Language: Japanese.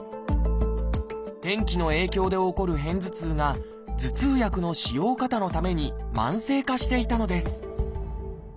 天気の影響で起こる片頭痛が頭痛薬の使用過多のために慢性化していたのです